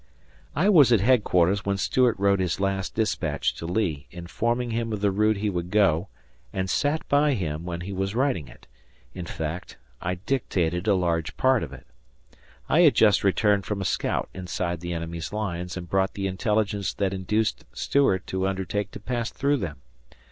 I was at headquarters when Stuart wrote his last dispatch to Lee, informing him of the route he would go, and sat by him when he was writing it in fact, I dictated a large part of it. I had just returned from a scout inside the enemies lines and brought the intelligence that induced Stuart to undertake to pass through them.